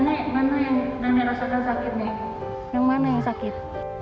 nenek nenek rasakan sakit nih yang mana yang sakit